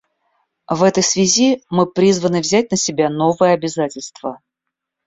В этой связи мы призваны взять на себя новые обязательства.